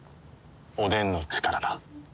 おでんの力だ。